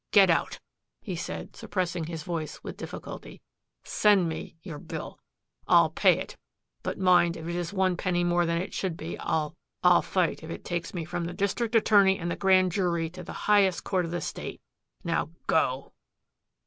"Get out!" he said, suppressing his voice with difficulty. "Send me your bill. I'll pay it but, mind, if it is one penny more than it should be, I'll I'll fight if it takes me from the district attorney and the grand jury to the highest court of the State. Now go!"